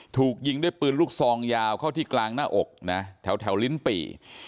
ถูกยิงด้วยปืนลูกซองยาวเข้าที่กลางหน้าอกนะแถวลิ้นปี่